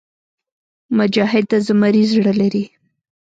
مجاهد د زمري زړه لري.